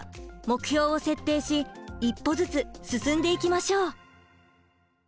目標を設定し一歩ずつ進んでいきましょう！